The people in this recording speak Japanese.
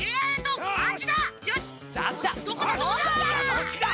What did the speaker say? そっちだ！